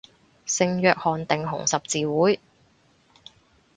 聖約翰定紅十字會